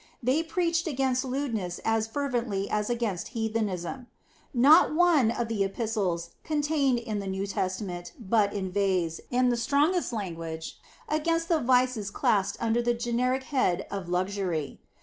They preached against lewdness as fervently as against heathenism. Not one of the epistles contained in the New Testament but inveighs, in the strongest language, against the vices classed under the generic head of luxury.